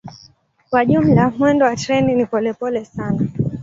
Kwa jumla mwendo wa treni ni polepole sana.